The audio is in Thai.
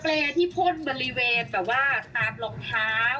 เปรย์ที่พ่นบริเวณแบบว่าตามรองเท้า